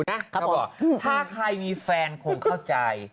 ว่าถ้าใครมีแฟนคงเข้าใจ